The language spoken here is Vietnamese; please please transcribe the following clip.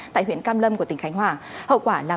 tại huyện cam lâm của tỉnh khánh hòa